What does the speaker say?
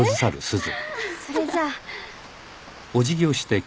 それじゃあ。